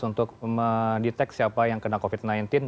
untuk mendeteksi siapa yang kena covid sembilan belas